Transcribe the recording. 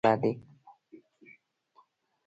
• بادام د وزن کمولو لپاره یو غوره خواړه دي.